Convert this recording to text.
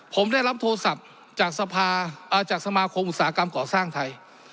ผมได้รับโทรศัพท์จากสมาคมอุตสาหกรรมก่อสร้างไทย